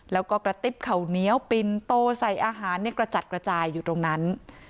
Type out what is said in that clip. แล้วก็กระติบเขาเหนียวปินโตใส่อาหารกระจัดกระจายอยู่ตรงนั้น